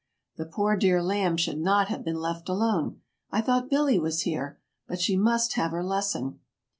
"The poor dear 'lamb' should not have been left alone! I thought Billy was here. But she must have her lesson!"